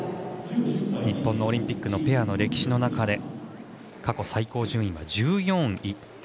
日本のオリンピックのペアの歴史の中で過去最高順位は１４位。